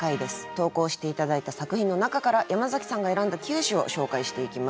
投稿して頂いた作品の中から山崎さんが選んだ９首を紹介していきます。